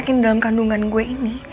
mungkin dalam kandungan gue ini